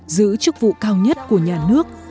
giữ chức vụ cao nhất của nhà nước